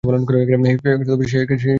সেই কথাই তো ভাবছি।